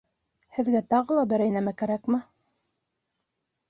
Һеҙгә тағы ла берәй нәмә кәрәкме?